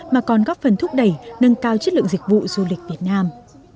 mà còn góp phần thúc đẩy nâng cao chất lượng dịch vụ du lịch việt nam